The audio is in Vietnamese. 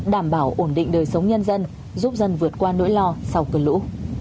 đảm bảo ổn định đời sống nhân dân giúp dân vượt qua nỗi lo sau cơn lũ